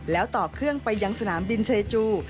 แล้วต่อเครื่องไปยังสนามบินเชจู